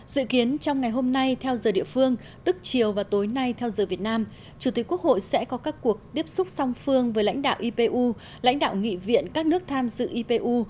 dự kiến trong ngày hôm nay theo giờ địa phương tức chiều và tối nay theo giờ việt nam chủ tịch quốc hội sẽ có các cuộc tiếp xúc song phương với lãnh đạo ipu lãnh đạo nghị viện các nước tham dự ipu